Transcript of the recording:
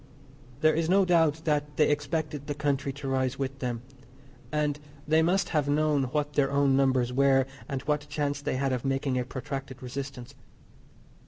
There is no doubt that they expected the country to rise with them, and they must have known what their own numbers were, and what chance they had of making a protracted resistance.